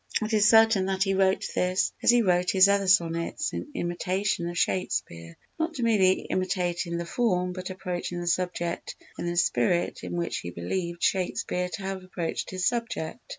It is certain that he wrote this, as he wrote his other Sonnets, in imitation of Shakespeare, _not merely imitating the form but approaching the subject in the spirit in which he believed Shakespeare to have approached his subject_.